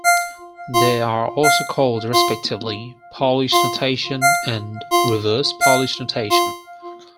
They are also called, respectively, Polish notation and reverse Polish notation.